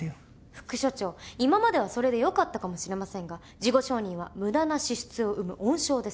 副署長今まではそれで良かったかもしれませんが事後承認は無駄な支出を生む温床です。